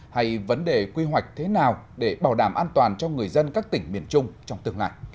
hay vấn đề quy hoạch thế nào để bảo đảm an toàn cho người dân các tỉnh miền trung trong tương lai